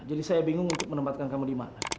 jadi saya bingung untuk menempatkan kamu di mana